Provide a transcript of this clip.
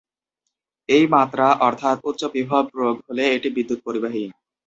এই মাত্রা অর্থাৎ উচ্চ বিভব প্রয়োগ হলে এটি বিদ্যুৎ পরিবাহী।